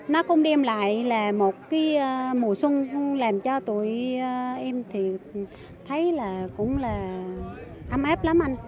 nó cũng đem lại là một cái mùa xuân làm cho tụi em thì thấy là cũng là ấm áp lắm